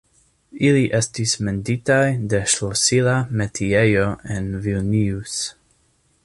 Ili estis menditaj de ŝlosila metiejo en Vilnius.